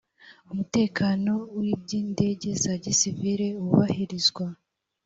umutekano w iby indege za gisivili wubahirizwa